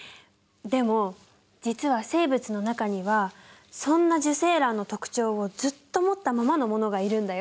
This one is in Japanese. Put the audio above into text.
でも実は生物の中にはそんな受精卵の特徴をずっと持ったままのものがいるんだよ。